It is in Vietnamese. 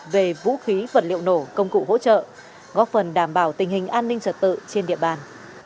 về vũ khí vật liệu nổ công cụ hỗ trợ góp phần đảm bảo tình hình an ninh trật tự trên địa bàn